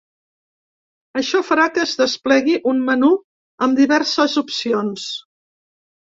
Això farà que es desplegui un menú amb diverses opcions.